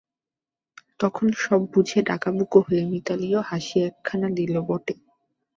তখন সব বুঝে ডাকাবুকো হয়ে মিতালীও হাসি একখানা দিল বটে।